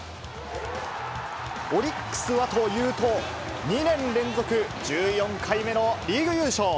オリックスはというと、２年連続１４回目のリーグ優勝。